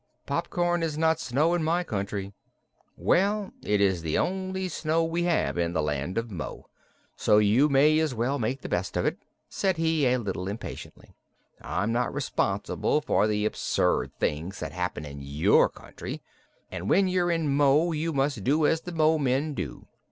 "Popcorn is not snow in my country." "Well, it is the only snow we have in the Land of Mo, so you may as well make the best of it," said he, a little impatiently. "I'm not responsible for the absurd things that happen in your country, and when you're in Mo you must do as the Momen do.